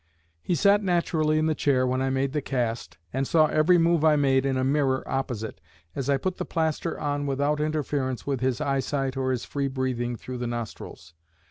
He sat naturally in the chair when I made the cast, and saw every move I made in a mirror opposite, as I put the plaster on without interference with his eyesight or his free breathing through the nostrils.